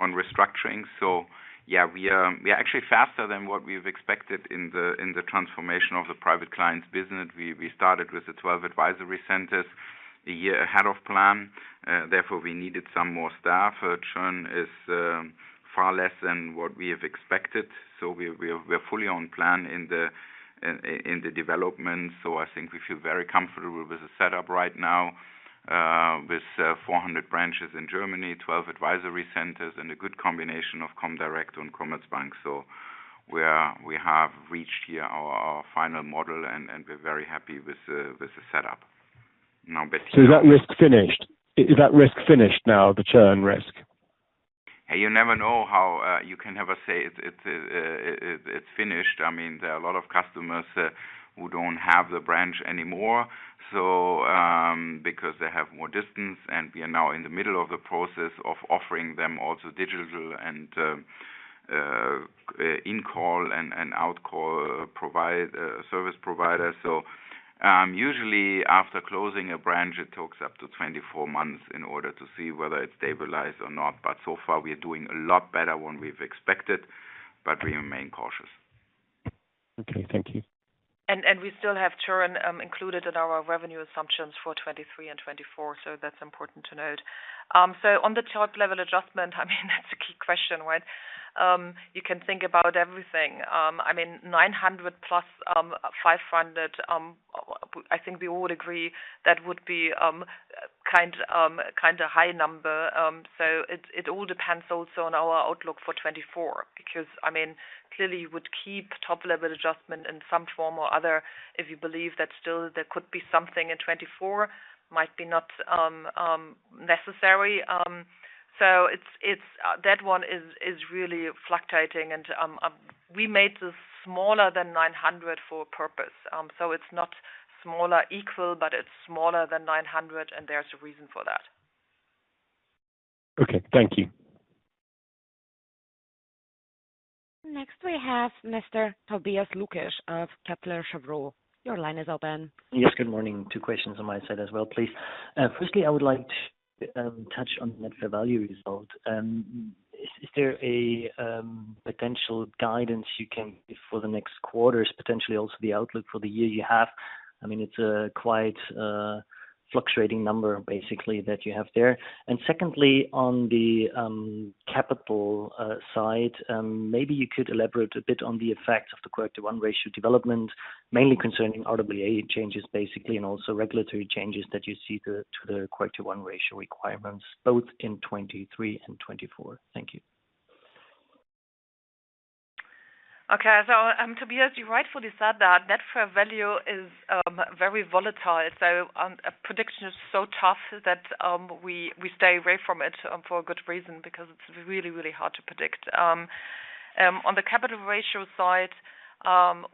restructuring. We are actually faster than what we've expected in the transformation of the Private Clients business. We started with the 12 advisory centers a year ahead of plan, therefore we needed some more staff. Churn is far less than what we have expected. We're fully on plan in the development. I think we feel very comfortable with the setup right now, with 400 branches in Germany, 12 advisory centers, and a good combination of comdirect and Commerzbank. We have reached here our final model, and we're very happy with the setup now. Is that risk finished? Is that risk finished now, the churn risk? You never know how you can never say it's finished. I mean, there are a lot of customers who don't have the branch anymore, so because they have more distance, and we are now in the middle of the process of offering them also digital and in-call and outcall provide service provider. Usually after closing a branch, it takes up to 24 months in order to see whether it's stabilized or not. So far, we are doing a lot better than we've expected, but we remain cautious. Okay. Thank you. We still have churn included in our revenue assumptions for 2023 and 2024. That's important to note. On the top-level adjustment, I mean, that's a key question, right? You can think about everything. I mean, 900+ 500, I think we all agree that would be kinda high number. It all depends also on our outlook for 2024, because, I mean, clearly you would keep top-level adjustment in some form or other if you believe that still there could be something in 2024, might be not necessary. That one is really fluctuating. We made this smaller than 900 for a purpose. It's not smaller equal, but it's smaller than 900, and there's a reason for that. Okay. Thank you. Next, we have Mr. Tobias Lukesch of Kepler Cheuvreux. Your line is open. Yes, good morning. Two questions on my side as well, please. Firstly, I would like to touch on net fair value result. Is there a potential guidance you can give for the next quarters, potentially also the outlook for the year you have? I mean, it's a quite fluctuating number basically that you have there. Secondly, on the capital side, maybe you could elaborate a bit on the effects of the quarter one ratio development, mainly concerning RWA changes, basically, and also regulatory changes that you see to the quarter one ratio requirements, both in 2023 and 2024. Thank you. Okay. Tobias, you rightfully said that net fair value is very volatile. A prediction is so tough that we stay away from it for a good reason because it's really hard to predict. On the capital ratio side,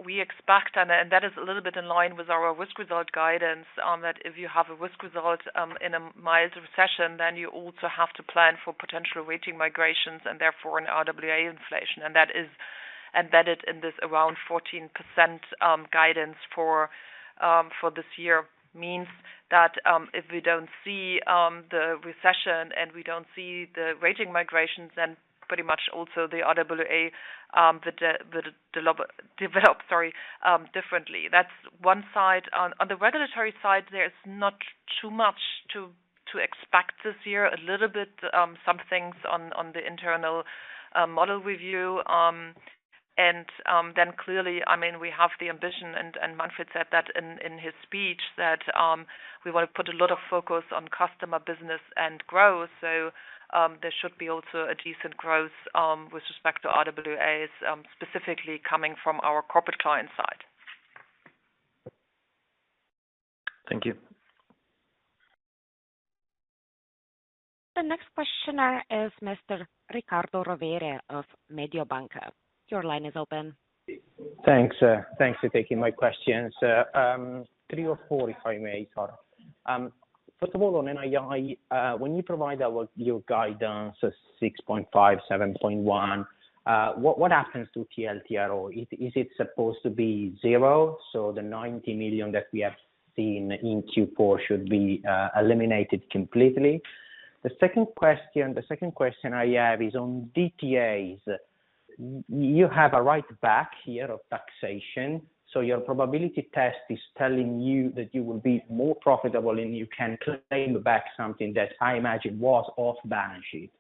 we expect, and that is a little bit in line with our risk result guidance, that if you have a risk result in a mild recession, then you also have to plan for potential weighting migrations and therefore an RWA inflation. That is embedded in this around 14% guidance for this year. Means that if we don't see the recession and we don't see the rating migrations, then pretty much also the RWA develop, sorry, differently. That's one side. On the regulatory side, there's not too much to expect this year. A little bit, some things on the internal model review. Clearly, I mean, we have the ambition and Manfred said that in his speech, that we will put a lot of focus on customer business and growth. There should be also a decent growth with respect to RWAs specifically coming from our Corporate Clients side. Thank you. The next questioner is Mr. Riccardo Rovere of Mediobanca. Your line is open. Thanks, thanks for taking my questions. three or four, if I may, sorry. First of all, on NII, when you provide your guidance of 6.5, 7.1, what happens to TLTRO? Is it supposed to be zero? The 90 million that we have seen in Q4 should be eliminated completely. The second question I have is on DTAs. You have a right back year of taxation, so your probability test is telling you that you will be more profitable, and you can claim back something that I imagine was off-balance sheet.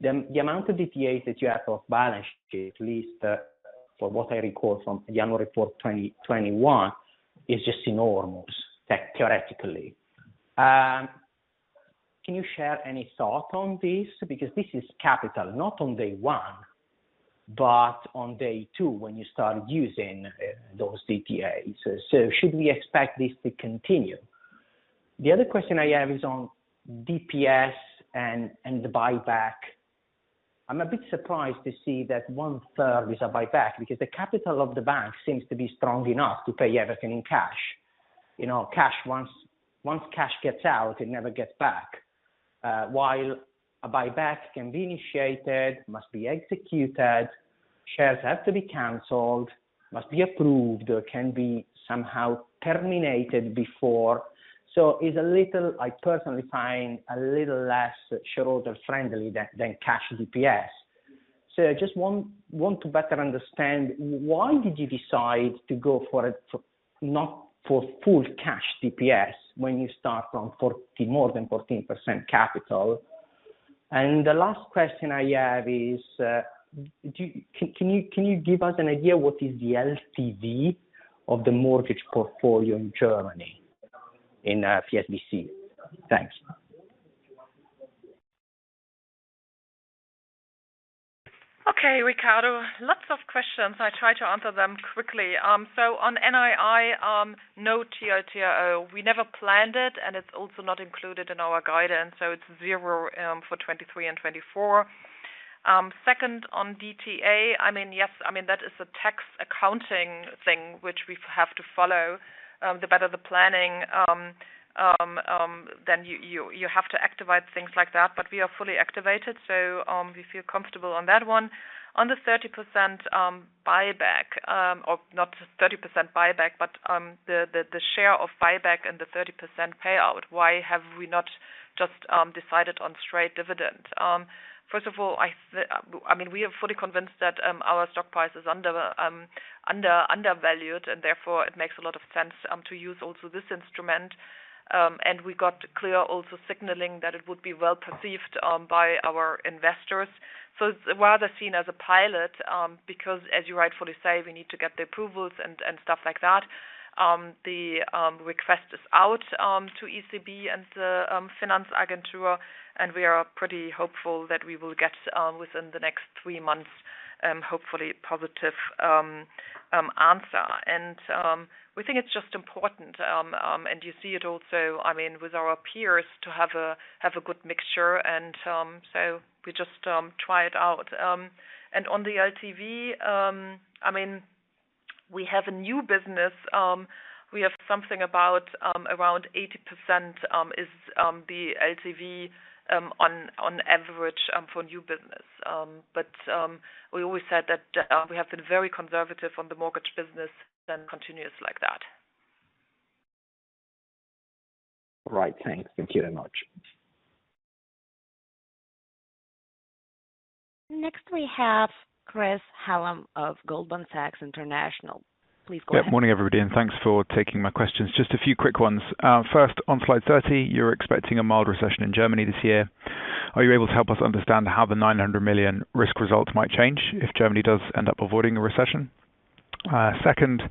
The amount of DTAs that you have off-balance sheet, at least, from what I recall from the annual report 2021, is just enormous, theoretically. Can you share any thought on this? This is capital, not on day one, but on day two, when you start using those DTAs. Should we expect this to continue? The other question I have is on DPS and the buyback. I'm a bit surprised to see that 1/3 is a buyback because the capital of the bank seems to be strong enough to pay everything in cash. You know, cash once cash gets out, it never gets back, while a buyback can be initiated, must be executed, shares have to be canceled, must be approved, or can be somehow terminated before. It's a little, I personally find a little less shareholder-friendly than cash DPS. I just want to better understand why did you decide to go for it, for not for full cash DPS when you start from 40, more than 14% capital? The last question I have is, can you give us an idea what is the LTV of the mortgage portfolio in Germany in PSBC? Thanks. Okay, Riccardo. Lots of questions. I try to answer them quickly. On NII, no TLTRO. We never planned it, and it's also not included in our guidance, so it's zero for 2023 and 2024. Second, on DTA, I mean, yes, I mean, that is a tax accounting thing which we have to follow, the better the planning, then you have to activate things like that. We are fully activated. We feel comfortable on that one. On the 30% buyback, or not 30% buyback, the share of buyback and the 30% payout, why have we not just decided on straight dividend? First of all, I mean, we are fully convinced that our stock price is undervalued, and therefore it makes a lot of sense to use also this instrument. We got clear also signaling that it would be well perceived by our investors. It's rather seen as a pilot because as you rightfully say, we need to get the approvals and stuff like that. The request is out to ECB and the Finanzagentur, and we are pretty hopeful that we will get within the next three months hopefully positive answer. We think it's just important, and you see it also, I mean, with our peers to have a good mixture and so we just try it out. On the LTV, I mean, we have a new business. We have something about around 80% is the LTV on average for new business. We always said that we have been very conservative on the mortgage business and continues like that. Right. Thanks. Thank you very much. Next we have Chris Hallam of Goldman Sachs International. Please go ahead. Yeah. Morning, everybody, and thanks for taking my questions. Just a few quick ones. First, on slide 30, you're expecting a mild recession in Germany this year. Are you able to help us understand how the 900 million risk results might change if Germany does end up avoiding a recession? Second,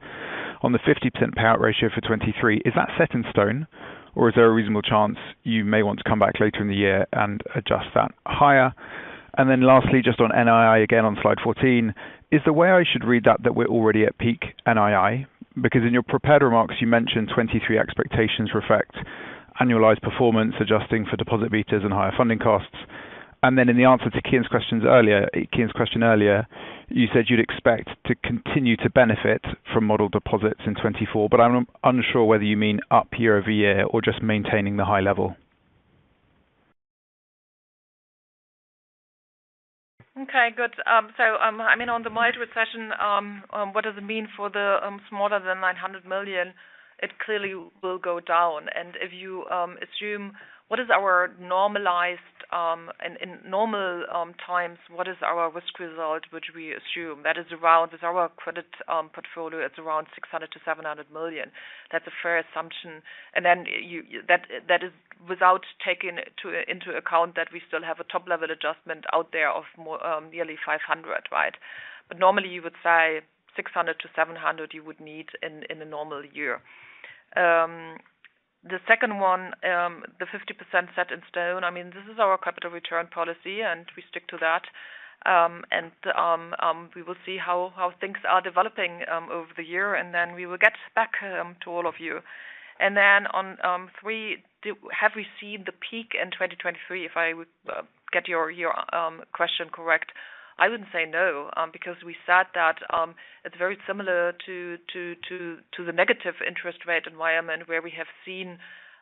on the 50% payout ratio for 2023, is that set in stone, or is there a reasonable chance you may want to come back later in the year and adjust that higher? Lastly, just on NII, again on slide 14, is the way I should read that we're already at peak NII? Because in your prepared remarks, you mentioned 2023 expectations reflect annualized performance, adjusting for deposit betas and higher funding costs. In the answer to Kian's questions earlier, Kian's question earlier, you said you'd expect to continue to benefit from model deposits in 2024, but I'm unsure whether you mean up year over year or just maintaining the high level? Okay, good. I mean, on the mild recession, what does it mean for the smaller than 900 million? It clearly will go down. If you assume what is our normalized in normal times, what is our risk result, which we assume that is around, is our credit portfolio, it's around 600 million-700 million. That's a fair assumption. Then that is without taking into account that we still have a top-level adjustment out there of more, nearly 500 million, right? Normally you would say 600 million-700 million you would need in a normal year. The second one, the 50% set in stone. I mean, this is our capital return policy, and we stick to that. We will see how things are developing over the year, and then we will get back to all of you. On three, have we seen the peak in 2023? If I would get your question correct, I wouldn't say no, because we said that it's very similar to the negative interest rate environment where we have seen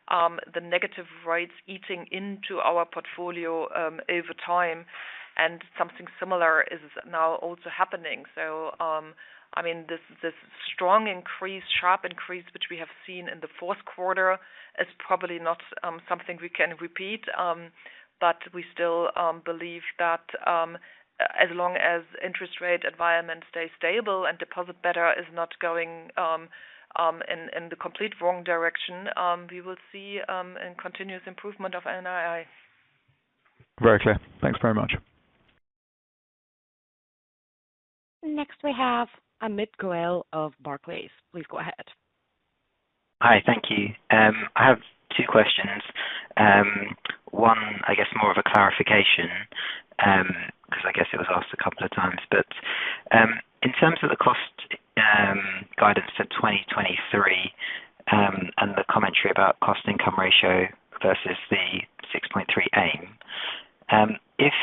the negative rates eating into our portfolio over time, and something similar is now also happening. I mean, this strong increase, sharp increase which we have seen in the Q4 is probably not something we can repeat. We still believe that as long as interest rate environment stays stable and deposit beta is not going in the complete wrong direction, we will see continuous improvement of NII. Very clear. Thanks very much. Next, we have Amit Goel of Barclays. Please go ahead. Hi. Thank you. I have two questions. One, I guess more of a clarification, because I guess it was asked a couple of times. In terms of the cost guidance for 2023, and the commentary about cost income ratio versus the 6.3% aim, if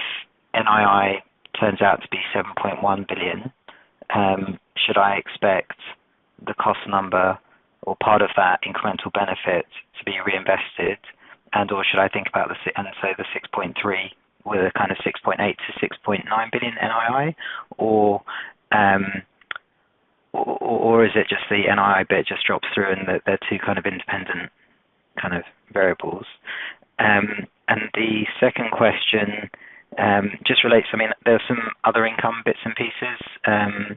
NII turns out to be 7.1 billion, should I expect the cost number or part of that incremental benefit to be reinvested? And/or should I think about say the 6.3% with a kind of 6.8 billion-6.9 billion NII? Is it just the NII bit just drops through and they're two kind of independent kind of variables? The second question just relates, there are some other income bits and pieces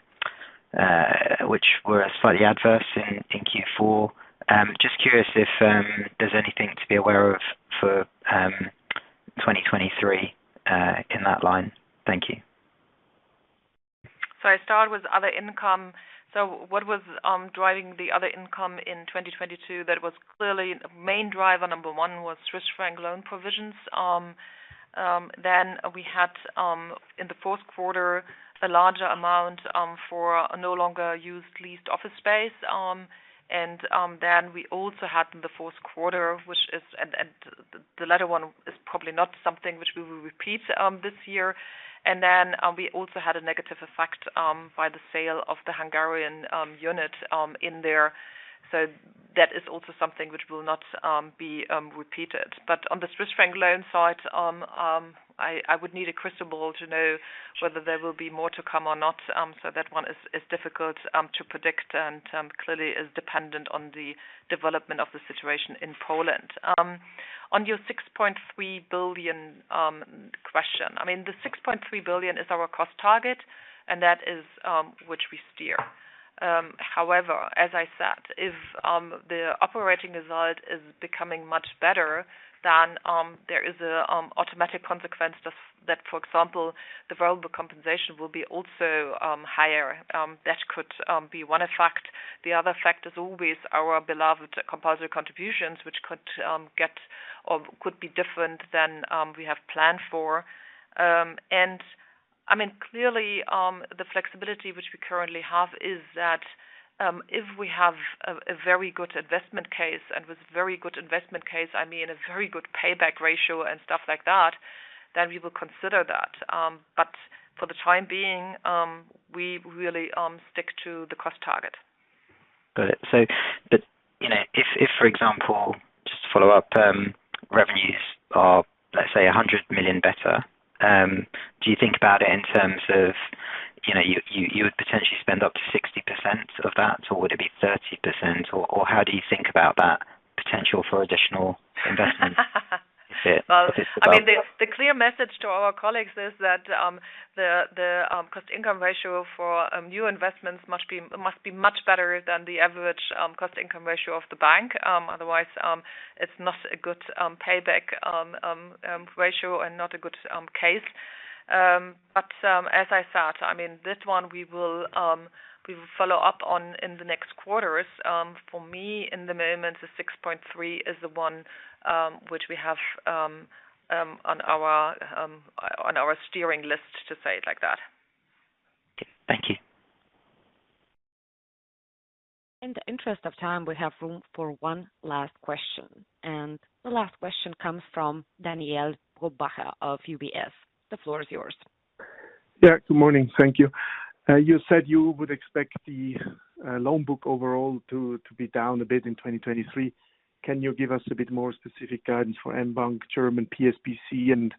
which were slightly adverse in Q4. Just curious if there's anything to be aware of for 2023 in that line. Thank you. I start with other income. What was driving the other income in 2022, that was clearly the main driver, number one was Swiss franc loan provisions. We had in the Q4 a larger amount for no longer used leased office space. We also had in the Q4, the latter one is probably not something which we will repeat this year. We also had a negative effect by the sale of the Hungarian unit in there. That is also something which will not be repeated. On the Swiss franc loan side, I would need a crystal ball to know whether there will be more to come or not. That one is difficult to predict and clearly is dependent on the development of the situation in Poland. On your 6.3 billion question. I mean, the 6.3 billion is our cost target, and that is which we steer. However, as I said, if the operating result is becoming much better, then there is a automatic consequence that, for example, the variable compensation will be also higher. That could be one effect. The other effect is always our beloved compulsory contributions, which could get or could be different than we have planned for. I mean, clearly, the flexibility which we currently have is that, if we have a very good investment case and with very good investment case, I mean a very good payback ratio and stuff like that, then we will consider that. For the time being, we really, stick to the cost target. Got it. You know, if for example, just to follow up, revenues are, let's say, 100 million better, do you think about it in terms of, you know, you would potentially spend up to 60% of that, or would it be 30%, or how do you think about that potential for additional investments? Is it? Well If it's about. I mean, the clear message to our colleagues is that the cost income ratio for new investments must be much better than the average cost income ratio of the bank. Otherwise, it's not a good payback ratio and not a good case. As I said, I mean, this one we will follow up on in the next quarters. For me, in the moment, the 6.3 is the one which we have on our steering list, to say it like that. Okay. Thank you. In the interest of time, we have room for one last question, and the last question comes from Daniele Brupbacher of UBS. The floor is yours. Yeah. Good morning. Thank you. You said you would expect the loan book overall to be down a bit in 2023. Can you give us a bit more specific guidance for mBank, German PSBC and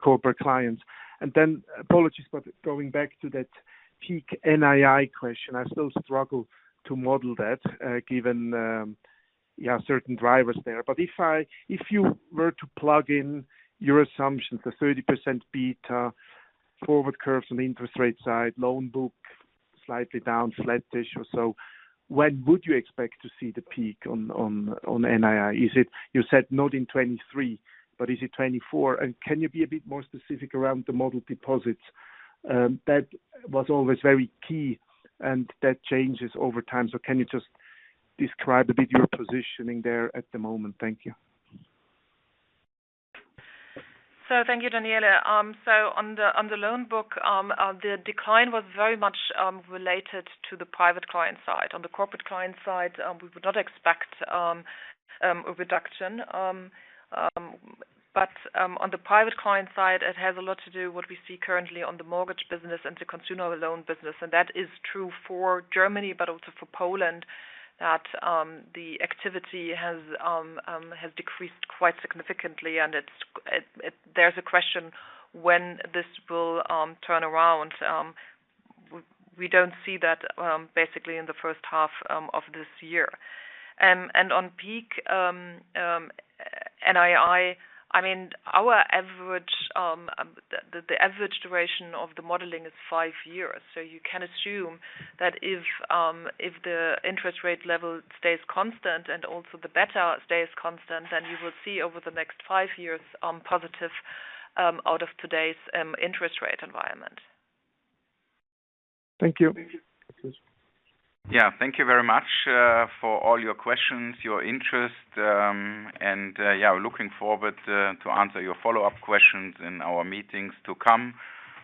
Corporate Clients? Apologies for going back to that peak NII question. I still struggle to model that, given, yeah, certain drivers there. If you were to plug in your assumptions, the 30% beta forward curves on the interest rate side, loan book slightly down, flat-ish or so, when would you expect to see the peak on NII? You said not in 2023, but is it 2024? Can you be a bit more specific around the model deposits? That was always very key, and that changes over time. Can you just describe a bit your positioning there at the moment? Thank you. Thank you, Daniele. On the loan book, the decline was very much related to the private client side. On the Corporate Clients side, we would not expect a reduction. But on the private client side, it has a lot to do what we see currently on the mortgage business and the consumer loan business, and that is true for Germany but also for Poland, that the activity has decreased quite significantly. It's a question when this will turn around. We don't see that basically in the first half of this year. And on peak NII, I mean, our average, the average duration of the modeling is five years. You can assume that if the interest rate level stays constant and also the beta stays constant, then you will see over the next five years, positive, out of today's interest rate environment. Thank you. Thank you. Yeah. Thank you very much for all your questions, your interest. Yeah, we're looking forward to answer your follow-up questions in our meetings to come.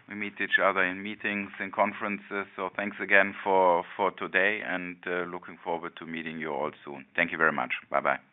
We meet each other in meetings and conferences, so thanks again for today and looking forward to meeting you all soon. Thank you very much. Bye-bye.